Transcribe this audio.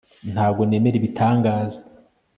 Ntabwo nemera ibitangaza